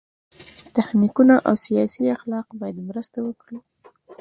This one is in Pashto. تخنیکونه او سیاسي اخلاق باید مرسته وکړي.